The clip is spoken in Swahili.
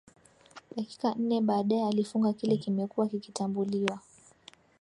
Dakika nne baadaye alifunga kile kimekuwa kikitambuliwa